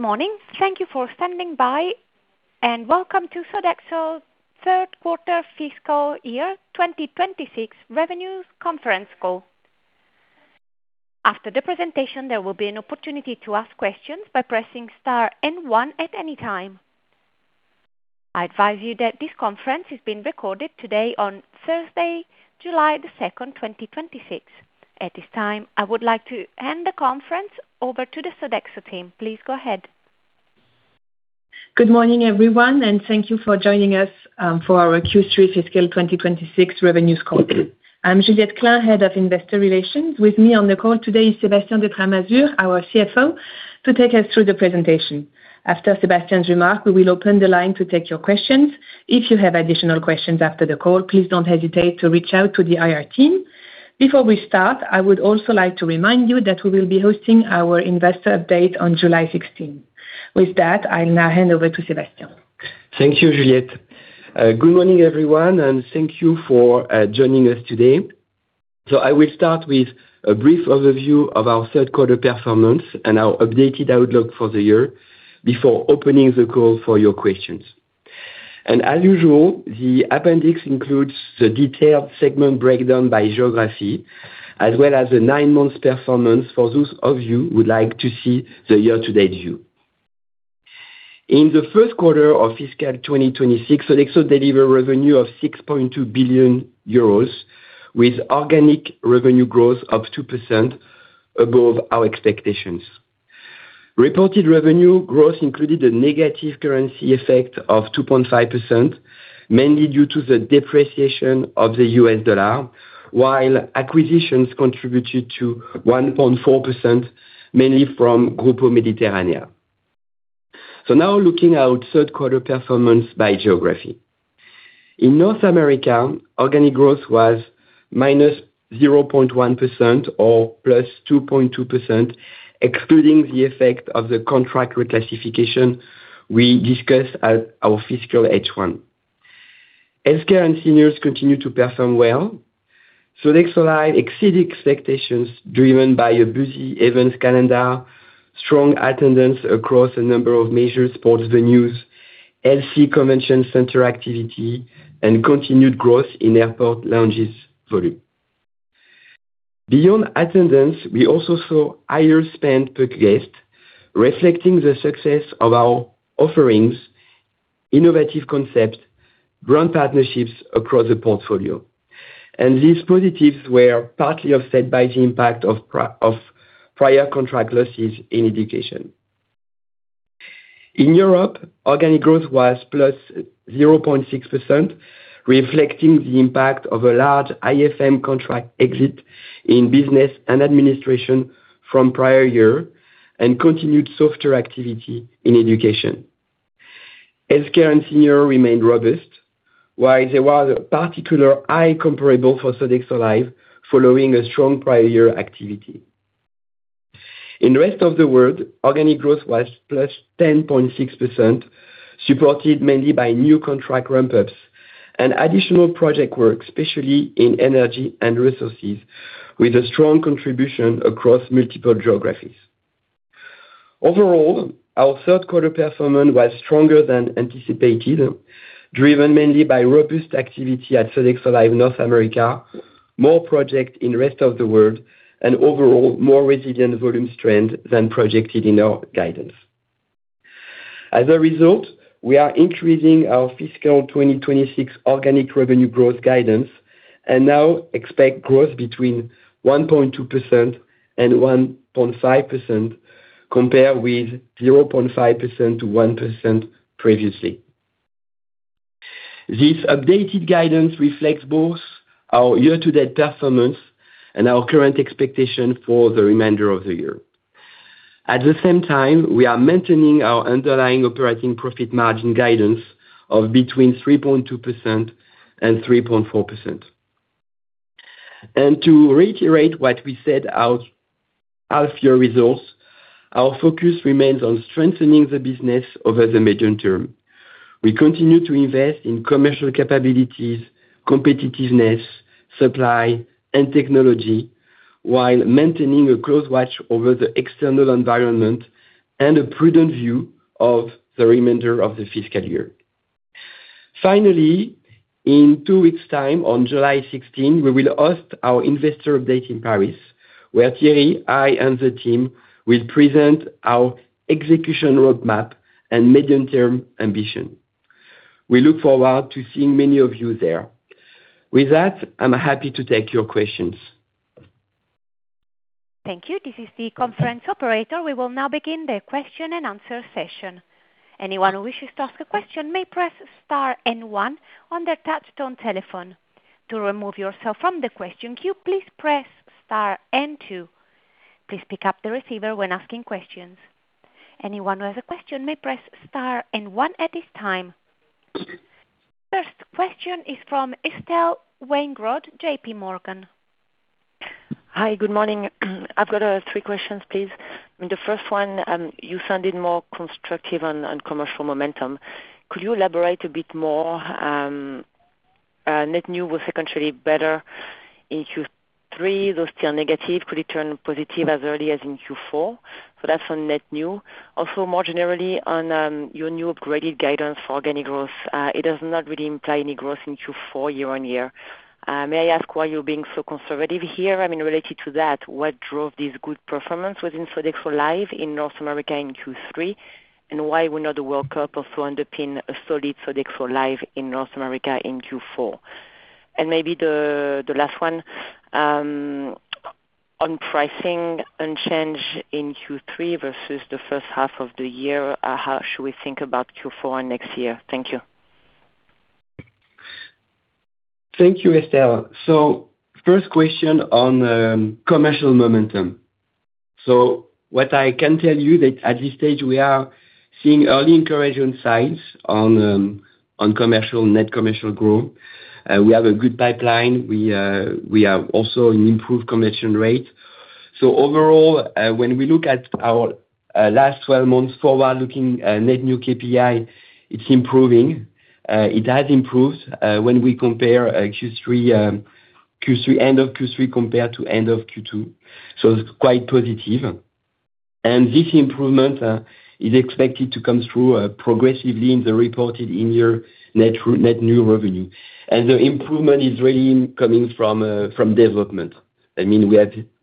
Good morning. Thank you for standing by, and welcome to Sodexo third quarter FY 2026 revenue conference call. After the presentation, there will be an opportunity to ask questions by pressing star and one at any time. I advise you that this conference is being recorded today on Thursday, July 2nd, 2026. At this time, I would like to hand the conference over to the Sodexo team. Please go ahead. Good morning, everyone, and thank you for joining us for our Q3 FY 2026 revenue call. I'm Juliette Klein, Head of Investor Relations. With me on the call today is Sébastien de Tramasure, our CFO, to take us through the presentation. After Sébastien's remarks, we will open the line to take your questions. If you have additional questions after the call, please don't hesitate to reach out to the IR team. Before we start, I would also like to remind you that we will be hosting our investor update on July 16th. With that, I'll now hand over to Sébastien. Thank you, Juliette. Good morning, everyone, and thank you for joining us today. I will start with a brief overview of our third quarter performance and our updated outlook for the year before opening the call for your questions. As usual, the appendix includes the detailed segment breakdown by geography as well as the nine-month performance for those of you who would like to see the year-to-date view. In the first quarter of FY 2026, Sodexo delivered revenue of 6.2 billion euros with organic revenue growth of 2% above our expectations. Reported revenue growth included a negative currency effect of 2.5%, mainly due to the depreciation of the U.S. dollar, while acquisitions contributed to 1.4%, mainly from Grupo Mediterránea. Now looking at our third quarter performance by geography. In North America, organic growth was -0.1% or +2.2%, excluding the effect of the contract reclassification we discussed at our FY H1. Healthcare and seniors continue to perform well. Sodexo Live! exceeded expectations driven by a busy events calendar, strong attendance across a number of major sports venues, L.C. Convention Center activity, and continued growth in airport lounges volume. Beyond attendance, we also saw higher spend per guest, reflecting the success of our offerings, innovative concepts, brand partnerships across the portfolio. These positives were partly offset by the impact of prior contract losses in education. In Europe, organic growth was +0.6%, reflecting the impact of a large IFM contract exit in business and administration from prior year and continued softer activity in education. Healthcare and seniors remained robust, while there was a particular high comparable for Sodexo Live! following a strong prior year activity. In the rest of the world, organic growth was +10.6%, supported mainly by new contract ramp-ups and additional project work, especially in Energy & Resources, with a strong contribution across multiple geographies. Overall, our third quarter performance was stronger than anticipated, driven mainly by robust activity at Sodexo Live! North America, more projects in rest of the world, and overall more resilient volume trends than projected in our guidance. As a result, we are increasing our fiscal 2026 organic revenue growth guidance and now expect growth between 1.2% and 1.5%, compared with 0.5%-1% previously. This updated guidance reflects both our year-to-date performance and our current expectation for the remainder of the year. At the same time, we are maintaining our underlying operating profit margin guidance of between 3.2% and 3.4%. To reiterate what we said at our half year results, our focus remains on strengthening the business over the medium term. We continue to invest in commercial capabilities, competitiveness, supply, and technology while maintaining a close watch over the external environment and a prudent view of the remainder of the fiscal year. Finally, in two weeks' time, on July 16th, we will host our investor update in Paris, where Thierry, I, and the team will present our execution roadmap and medium-term ambition. We look forward to seeing many of you there. I'm happy to take your questions. Thank you. This is the conference operator. We will now begin the question-and-answer session. Anyone who wishes to ask a question may press star and one on their touch-tone telephone. To remove yourself from the question queue, please press star and two. Please pick up the receiver when asking questions. Anyone who has a question may press star and one at this time. First question is from Estelle Weingrod, JPMorgan. Hi. Good morning. I've got three questions, please. The first one, you sounded more constructive on commercial momentum. Could you elaborate a bit more. Net new was actually better in Q3, though still negative, could turn positive as early as in Q4. That's on net new. Also, more generally on your new upgraded guidance for organic growth, it does not really imply any growth in Q4 year-on-year. May I ask why you're being so conservative here? Related to that, what drove this good performance within Sodexo Live! in North America in Q3, and why will not the World Cup also underpin a solid Sodexo Live! in North America in Q4? Maybe the last one, on pricing and change in Q3 versus the first half of the year, how should we think about Q4 and next year? Thank you. Thank you, Estelle. First question on commercial momentum. What I can tell you that at this stage, we are seeing early encouraging signs on net commercial growth. We have a good pipeline. We have also an improved conversion rate. Overall, when we look at our last 12 months forward-looking net new KPI, it's improving. It has improved when we compare end of Q3 compared to end of Q2. It's quite positive. This improvement is expected to come through progressively in the reported in-year net new revenue. The improvement is really coming from development. We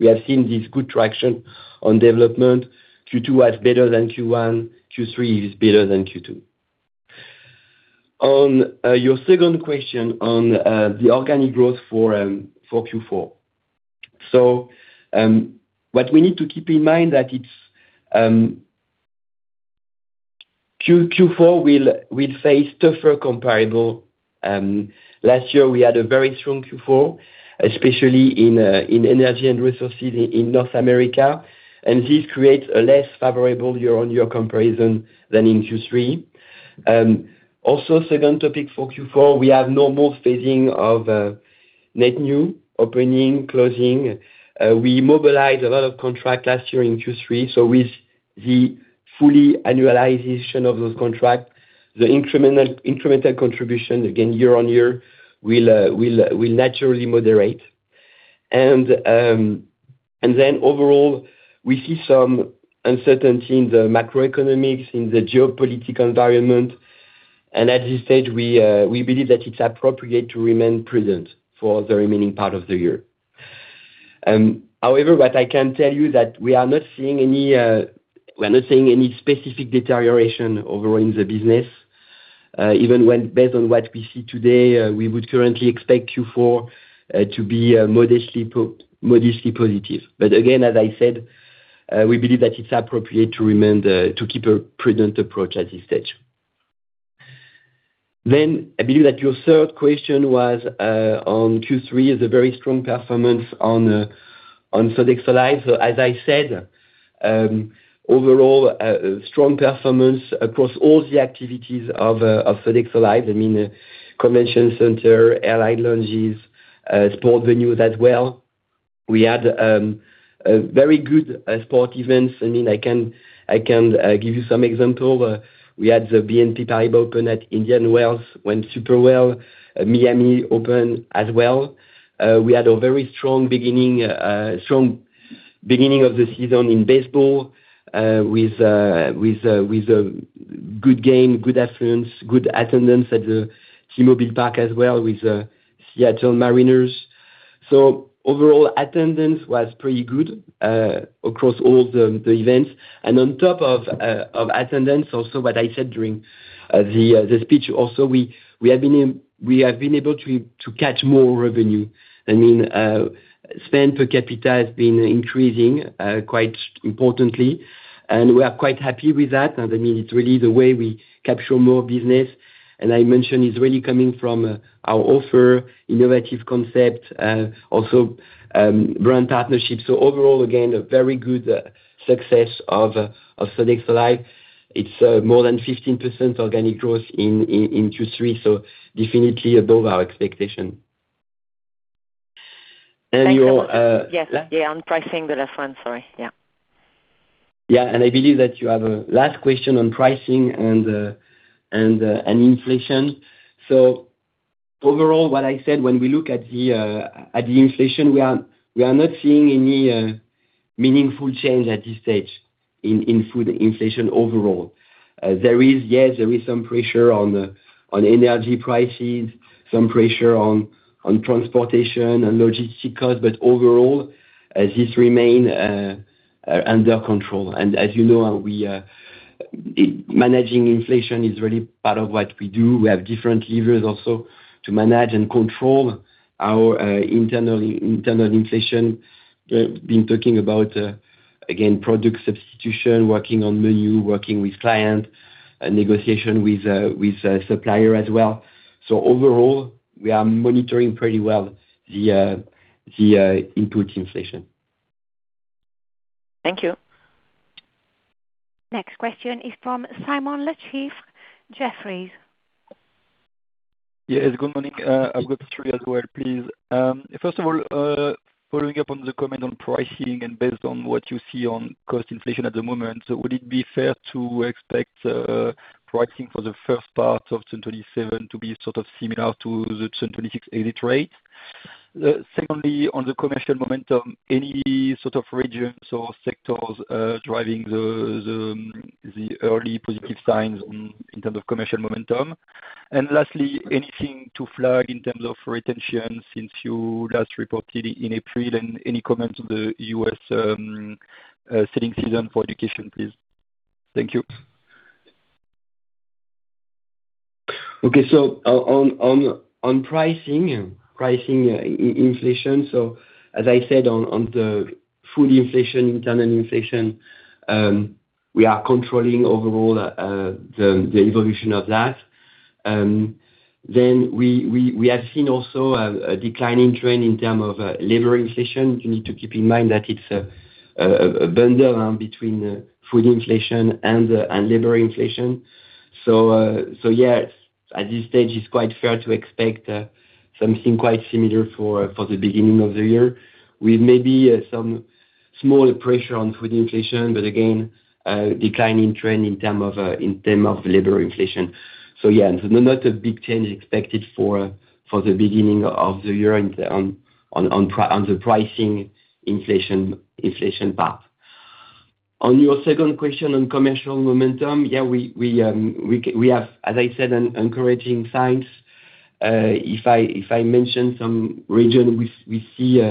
have seen this good traction on development. Q2 was better than Q1, Q3 is better than Q2. On your second question on the organic growth for Q4. What we need to keep in mind that Q4 will face tougher comparable. Last year we had a very strong Q4, especially in Energy & Resources in North America, this creates a less favorable year-on-year comparison than in Q3. Second topic for Q4, we have normal phasing of net new, opening, closing. We mobilized a lot of contract last year in Q3. With the fully annualization of those contracts, the incremental contribution again year-on-year will naturally moderate. Overall, we see some uncertainty in the macroeconomics, in the geopolitical environment. At this stage, we believe that it's appropriate to remain prudent for the remaining part of the year. However, what I can tell you that we are not seeing any specific deterioration overall in the business. Even when based on what we see today, we would currently expect Q4 to be modestly positive. Again, as I said, we believe that it's appropriate to keep a prudent approach at this stage. I believe that your third question was on Q3 as a very strong performance on Sodexo Live!. As I said, overall, strong performance across all the activities of Sodexo Live!: convention center, airline lounges, sport venues as well. We had very good sport events. I can give you some example. We had the BNP Paribas Open at Indian Wells, went super well. Miami Open as well. We had a very strong beginning of the season in baseball, with good game, good affluence, good attendance at the T-Mobile Park as well with Seattle Mariners. Overall, attendance was pretty good across all the events. On top of attendance, also what I said during the speech, we have been able to catch more revenue. Spend per capita has been increasing quite importantly, we are quite happy with that. It's really the way we capture more business. I mentioned it's really coming from our offer, innovative concept, also brand partnerships. Overall, again, a very good success of Sodexo Live!. It's more than 15% organic growth in Q3. Definitely above our expectation. Thanks a lot. Yeah, on pricing, the last one. Sorry. Yeah. I believe that you have a last question on pricing and inflation. Overall, what I said when we look at the inflation, we are not seeing any meaningful change at this stage in food inflation overall. There is, yes, there is some pressure on energy prices, some pressure on transportation and logistics cost, but overall, this remain under control. As you know, managing inflation is really part of what we do. We have different levers also to manage and control our internal inflation. Been talking about, again, product substitution, working on menu, working with client, negotiation with supplier as well. Overall, we are monitoring pretty well the input inflation. Thank you. Next question is from Simon Lechipre, Jefferies. Yes. Good morning. I've got three as well, please. First of all, following up on the comment on pricing and based on what you see on cost inflation at the moment, would it be fair to expect pricing for the first part of 2027 to be sort of similar to the 2026 exit rate? Secondly, on the commercial momentum, any sort of regions or sectors driving the early positive signs in terms of commercial momentum? Lastly, anything to flag in terms of retention since you last reported in April? Any comments on the U.S. selling season for education, please? Thank you. Okay. On pricing inflation, as I said on the food inflation, internal inflation, we are controlling overall the evolution of that. We have seen also a declining trend in terms of labor inflation. You need to keep in mind that it's a bundle between food inflation and labor inflation. Yes, at this stage it's quite fair to expect something quite similar for the beginning of the year, with maybe some small pressure on food inflation, but again, declining trend in terms of labor inflation. Yeah, not a big change expected for the beginning of the year on the pricing inflation path. On your second question on commercial momentum, we have, as I said, encouraging signs. If I mention some region, we see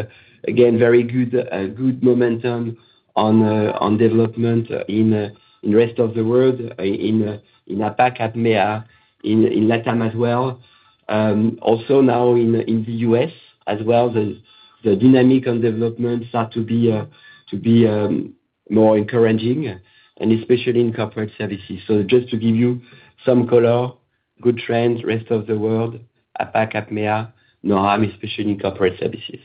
again very good momentum on development in rest of the world, in APAC, APMEA, LATAM as well. Also now in the U.S. as well, the dynamic on development starts to be more encouraging and especially in corporate services. Just to give you some color, good trends, rest of the world, APAC, APMEA, NOAM, especially in corporate services.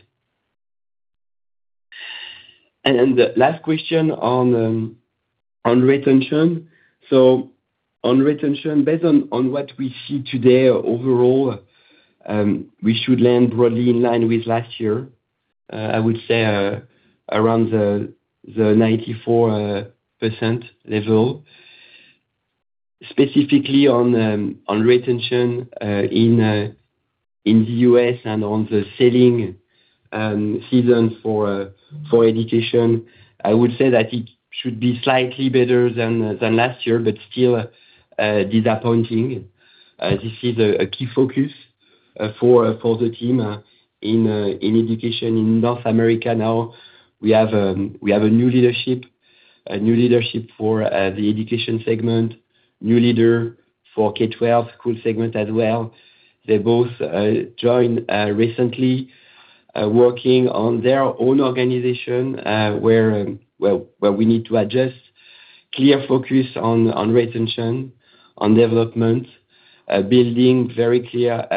The last question on retention. On retention, based on what we see today overall, we should land broadly in line with last year. I would say around the 94% level. Specifically on retention in the U.S. and on the selling season for education, I would say that it should be slightly better than last year, but still disappointing. This is a key focus for the team in education in North America now. We have a new leadership for the education segment, new leader for K-12 school segment as well. They both joined recently, working on their own organization, where we need to adjust. Clear focus on retention, on development, building very clear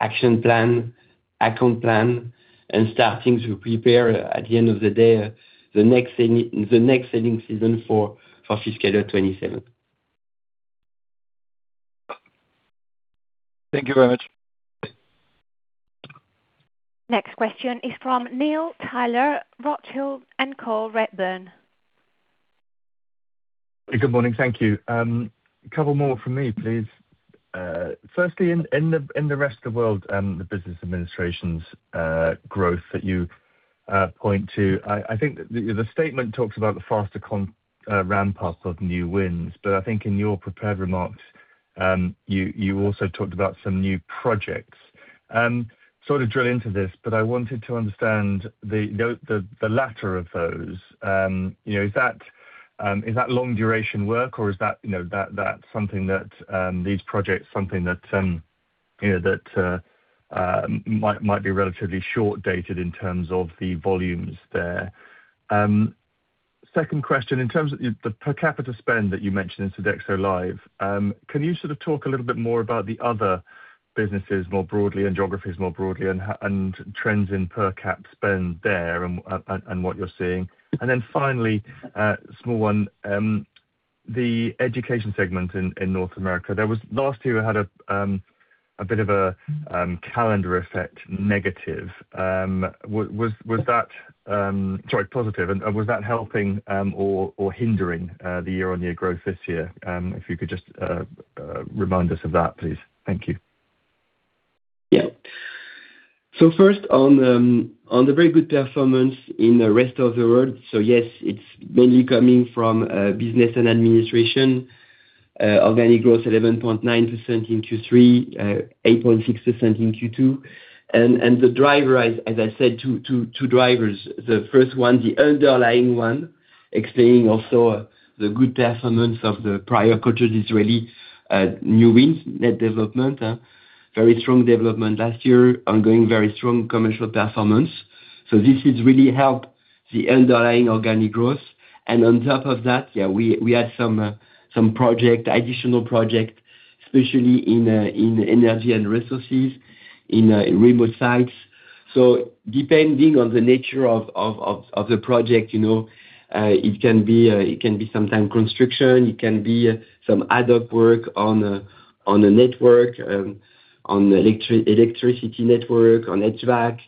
action plan, account plan, and starting to prepare, at the end of the day, the next selling season for fiscal year 2027. Thank you very much. Next question is from Neil Tyler, Rothschild & Co Redburn. Good morning. Thank you. A couple more from me, please. Firstly, in the rest of world, the business administration's growth that you point to, I think the statement talks about the faster ramp-up of new wins. I think in your prepared remarks, you also talked about some new projects. Sort of drill into this, but I wanted to understand the latter of those. Is that long-duration work or is these projects something that might be relatively short-dated in terms of the volumes there? Second question, in terms of the per capita spend that you mentioned in Sodexo Live!, can you sort of talk a little bit more about the other businesses more broadly and geographies more broadly and trends in per cap spend there and what you're seeing? And then finally, a small one. The education segment in North America, last year had a bit of a calendar effect negative. Sorry, positive. Was that helping or hindering the year-on-year growth this year? If you could just remind us of that, please. Thank you. First, on the very good performance in the rest of the world. Yes, it's mainly coming from business and administration. Organic growth 11.9% in Q3, 8.6% in Q2. The driver, as I said, two drivers. The first one, the underlying one, explaining also the good performance of the prior quarters is really new wins net development. Very strong development last year, ongoing very strong commercial performance. This has really helped the underlying organic growth. On top of that, we had some additional project, especially in Energy & Resources in remote sites. Depending on the nature of the project, it can be sometime construction, it can be some add-up work on the network, on electricity network, on HVAC.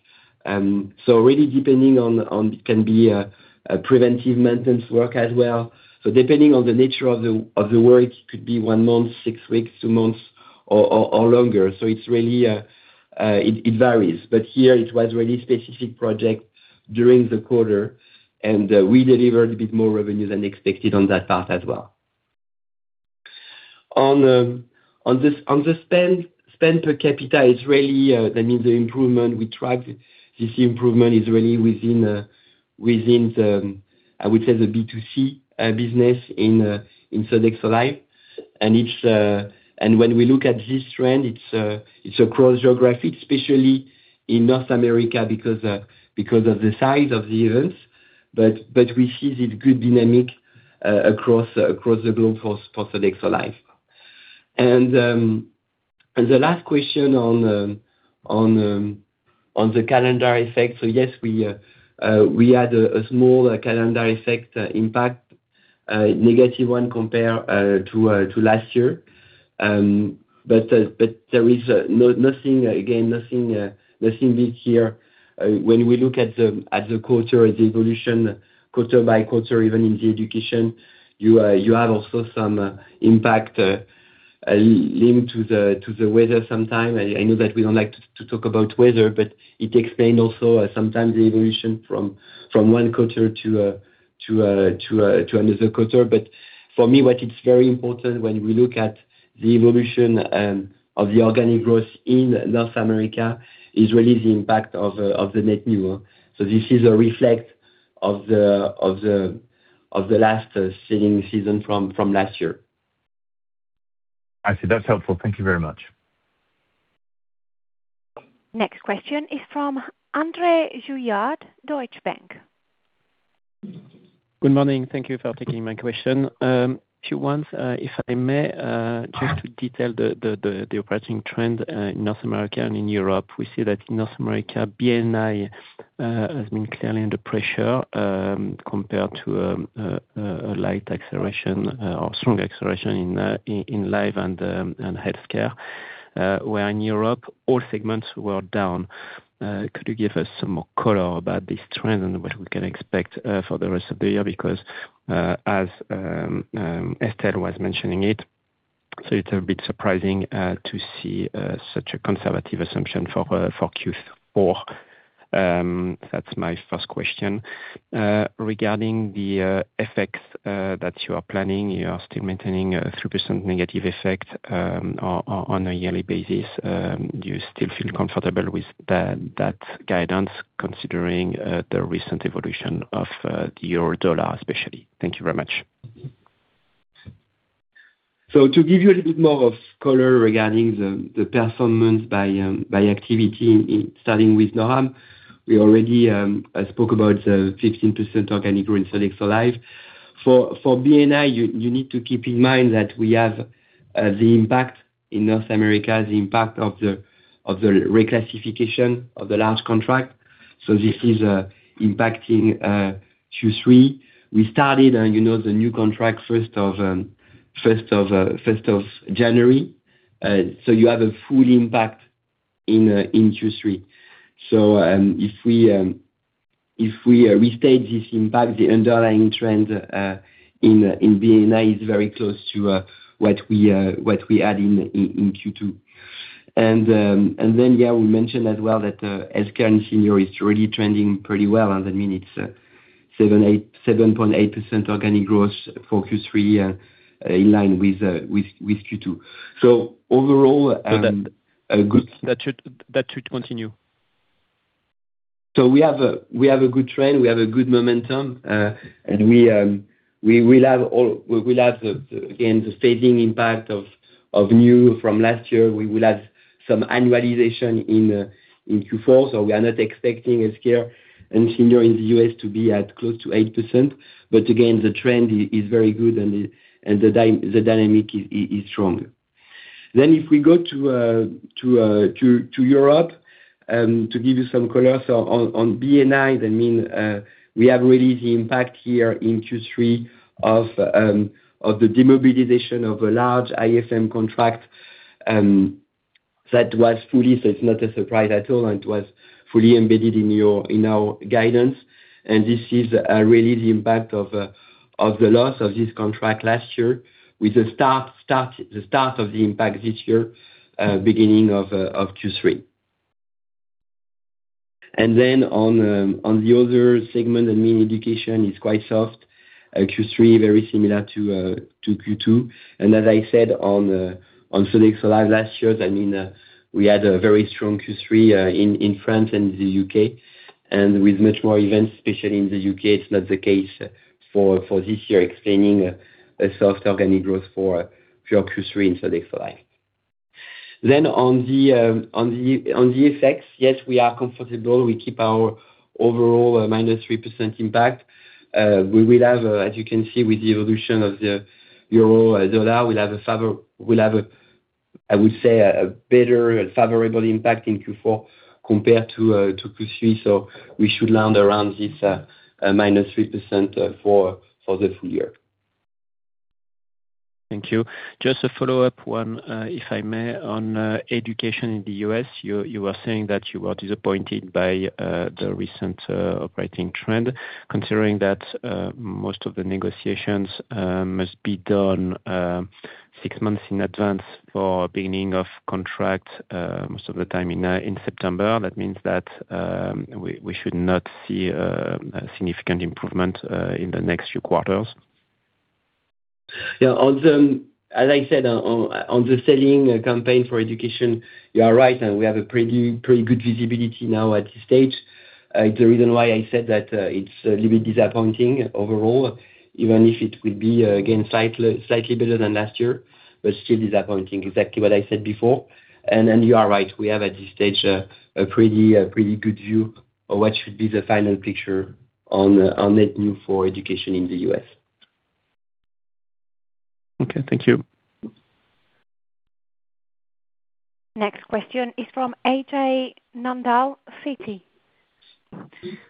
Really depending on, can be a preventive maintenance work as well. Depending on the nature of the work, it could be one month, six weeks, two months, or longer. It varies. Here it was really specific project during the quarter, and we delivered a bit more revenue than expected on that part as well. On the spend per capita, that means the improvement we tracked, this improvement is really within the, I would say, the B2C business in Sodexo Live!. When we look at this trend, it's across geographic, especially in North America because of the size of the events. We see the good dynamic across the globe for Sodexo Live!. The last question on the calendar effect. Yes, we had a small calendar effect impact, a negative one compared to last year. There is, again, nothing this year. When we look at the quarter, at the evolution quarter by quarter, even in the education, you have also some impact linked to the weather sometime. I know that we don't like to talk about weather, but it explain also sometimes the evolution from one quarter to another quarter. For me, what it's very important when we look at the evolution of the organic growth in North America is really the impact of the net new. This is a reflect of the last selling season from last year. I see. That's helpful. Thank you very much. Next question is from André Juillard, Deutsche Bank. Good morning. Thank you for taking my question. Two ones, if I may, just to detail the operating trend in North America and in Europe. We see that in North America, B&I has been clearly under pressure compared to a light acceleration or strong acceleration in Sodexo Live! and healthcare, where in Europe all segments were down. Could you give us some more color about this trend and what we can expect for the rest of the year? As Estelle was mentioning it's a bit surprising to see such a conservative assumption for Q4. That's my first question. Regarding the effects that you are planning, you are still maintaining a 3% negative effect on a yearly basis. Do you still feel comfortable with that guidance considering the recent evolution of the euro-dollar, especially? Thank you very much. To give you a little bit more of color regarding the performance by activity starting with NOAM, we already spoke about the 15% organic growth in Sodexo Live!. For B&I, you need to keep in mind that we have the impact in North America, the impact of the reclassification of the large contract. This is impacting Q3. We started the new contract first of January, you have a full impact in Q3. If we restate this impact, the underlying trend in B&I is very close to what we had in Q2. Then, yeah, we mentioned as well that Health Care and Senior is really trending pretty well, and that means it's 7.8% organic growth for Q3, in line with Q2. Overall- That should continue. -we have a good trend, we have a good momentum, we will have, again, the staging impact of new from last year. We will have some annualization in Q4, we are not expecting Health Care and Senior in the U.S. to be at close to 8%. Again, the trend is very good and the dynamic is strong. If we go to Europe, to give you some color on B&I, that mean we have really the impact here in Q3 of the demobilization of a large IFM contract that was fully, it's not a surprise at all, it was fully embedded in our guidance. This is really the impact of the loss of this contract last year with the start of the impact this year, beginning of Q3. On the other segment, that mean Education, it's quite soft. Q3, very similar to Q2. As I said on Sodexo Live! last year, that mean we had a very strong Q3 in France and the U.K. With much more events, especially in the U.K., it's not the case for this year, explaining a soft organic growth for Q3 in Sodexo Live!. On the effects, yes, we are comfortable. We keep our overall -3% impact. We will have, as you can see with the evolution of the euro-dollar, we'll have, I would say, a better favorable impact in Q4 compared to Q3. We should land around this -3% for the full year. Thank you. Just a follow-up one, if I may, on education in the U.S. You were saying that you were disappointed by the recent operating trend. Considering that most of the negotiations must be done six months in advance for beginning of contract, most of the time in September, that means that we should not see a significant improvement in the next few quarters. Yeah. As I said on the selling campaign for education, you are right. We have a pretty good visibility now at this stage. It's the reason why I said that it's a little bit disappointing overall, even if it will be, again, slightly better than last year, but still disappointing. Exactly what I said before. You are right, we have at this stage a pretty good view of what should be the final picture on net new for education in the U.S. Okay. Thank you. Next question is from Ajay Nandal, Citi.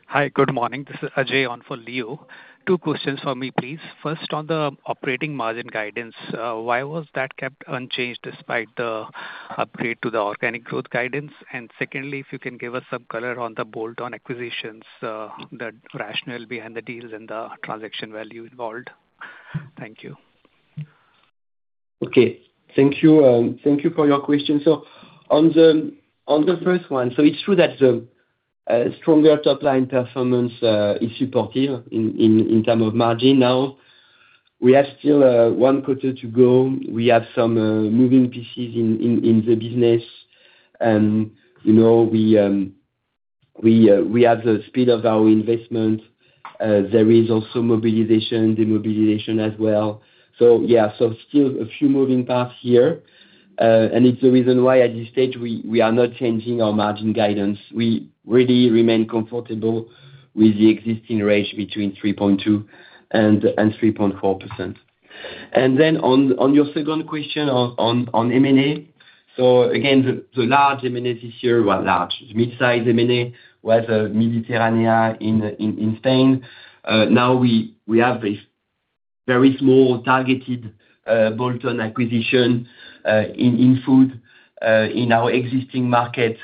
Hi, good morning. This is Ajay on for Leo. Two questions for me, please. First, on the operating margin guidance, why was that kept unchanged despite the upgrade to the organic growth guidance? Secondly, if you can give us some color on the bolt-on acquisitions, the rationale behind the deals and the transaction value involved. Thank you. Okay. Thank you for your question. On the first one, it's true that the stronger top-line performance is supportive in term of margin. Now, we have still one quarter to go. We have some moving pieces in the business and we have the speed of our investment. There is also mobilization, demobilization as well. Yeah, still a few moving parts here. It's the reason why at this stage we are not changing our margin guidance. We really remain comfortable with the existing range between 3.2% and 3.4%. On your second question on M&A. Again, the large M&A this year Well, large. Mid-size M&A was Mediterránea in Spain. Now we have a very small targeted bolt-on acquisition in food in our existing market.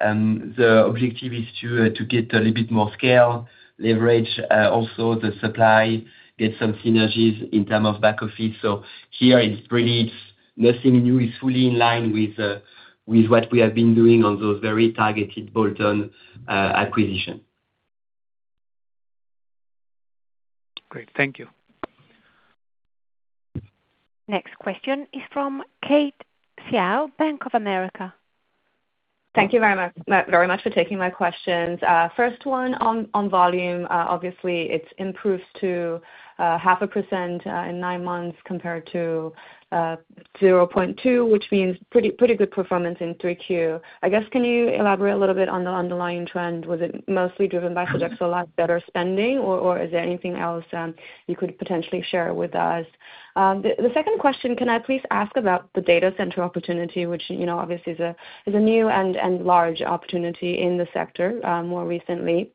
The objective is to get a little bit more scale, leverage, also the supply, get some synergies in term of back office. It's nothing new. It's fully in line with what we have been doing on those very targeted bolt-on acquisition. Great. Thank you. Next question is from Kate Xiao, Bank of America. Thank you very much for taking my questions. First one on volume. Obviously it's improved to 0.5% in nine months compared to 0.2%, which means pretty good performance in Q3. I guess, can you elaborate a little bit on the underlying trend? Was it mostly driven by Sodexo Live! better spending, or is there anything else you could potentially share with us? The second question, can I please ask about the data center opportunity, which obviously is a new and large opportunity in the sector more recently.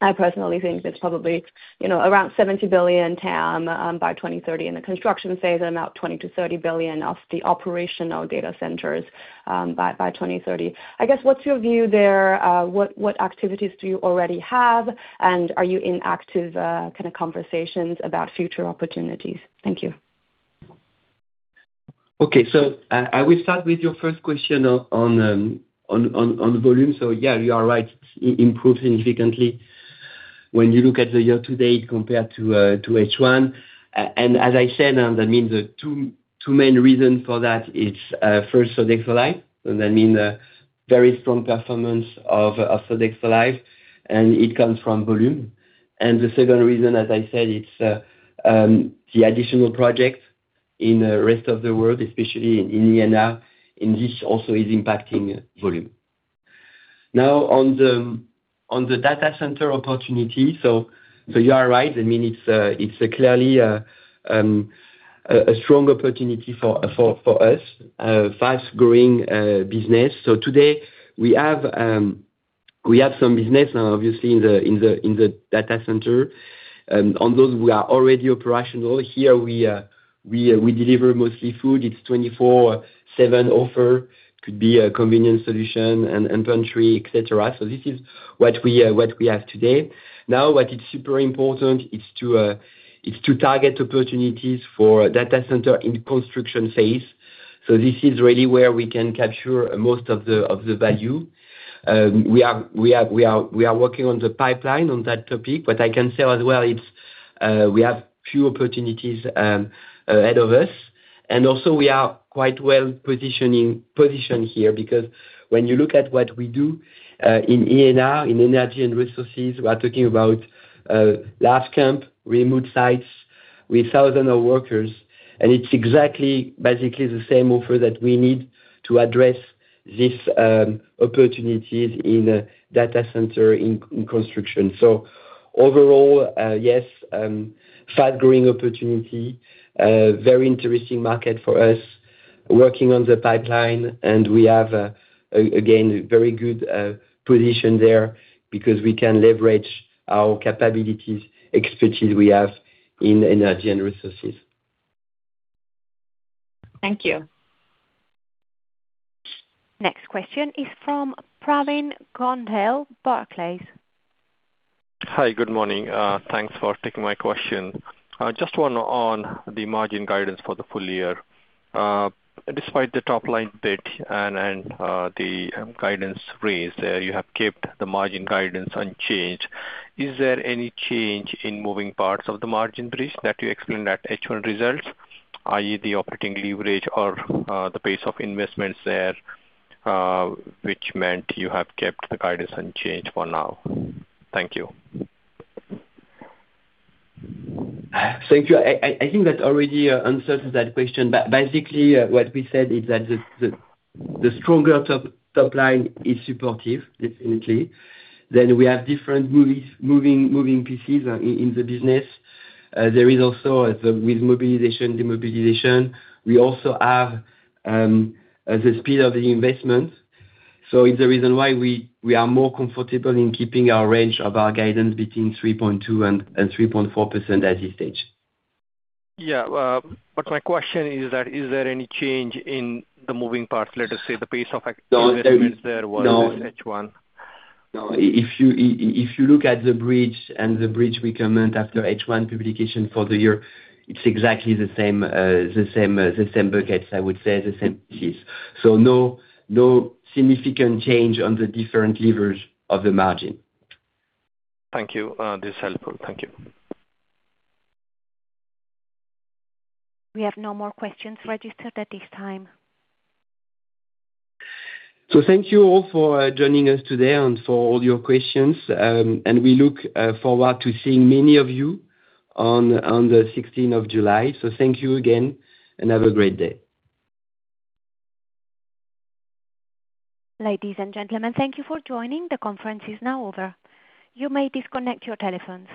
I personally think it's probably around 70 billion TAM by 2030, and the construction phase is about 20 billion-30 billion of the operational data centers by 2030. I guess, what's your view there? What activities do you already have, and are you in active kind of conversations about future opportunities? Thank you. I will start with your first question on volume. You are right. It's improved significantly when you look at the year to date compared to H1. As I said, that means the two main reason for that is first, Sodexo Live!, I mean very strong performance of Sodexo Live!, and it comes from volume. The second reason, as I said, it's the additional projects in the rest of the world, especially in E&R, and this also is impacting volume. Now on the data center opportunity. You are right. It's clearly a strong opportunity for us, a fast-growing business. Today we have some business now obviously in the data center. On those we are already operational. Here we deliver mostly food. It's 24/7 offer. It could be a convenient solution and pantry, et cetera. This is what we have today. Now, what it's super important is to target opportunities for data center in construction phase. This is really where we can capture most of the value. We are working on the pipeline on that topic. What I can say as well, we have few opportunities ahead of us, and also we are quite well-positioned here because when you look at what we do in E&R, in Energy & Resources, we are talking about large camp, remote sites with thousands of workers, and it's exactly basically the same offer that we need to address these opportunities in data center in construction. Overall, yes, fast-growing opportunity, very interesting market for us. Working on the pipeline, and we have, again, very good position there because we can leverage our capabilities, expertise we have in Energy & Resources. Thank you. Next question is from Pravin Gondhale, Barclays. Hi, good morning. Thanks for taking my question. Just one on the margin guidance for the full year. Despite the top-line bit and the guidance raised, you have kept the margin guidance unchanged. Is there any change in moving parts of the margin bridge that you explained at H1 results, i.e., the operating leverage or the pace of investments there, which meant you have kept the guidance unchanged for now? Thank you. Thank you. I think that already answers that question. Basically, what we said is that the stronger top line is supportive, definitely. We have different moving pieces in the business. There is also, with mobilization, demobilization. We also have the speed of the investment. It's the reason why we are more comfortable in keeping our range of our guidance between 3.2% and 3.4% at this stage. Yeah. My question is that, is there any change in the moving parts, let us say, the pace of activity- No that was H1? No. If you look at the bridge and the bridge we comment after H1 publication for the year, it's exactly the same buckets, I would say, the same piece. No significant change on the different levers of the margin. Thank you. This is helpful. Thank you. We have no more questions registered at this time. Thank you all for joining us today and for all your questions, and we look forward to seeing many of you on the 16th of July. Thank you again, and have a great day. Ladies and gentlemen, thank you for joining. The conference is now over. You may disconnect your telephones.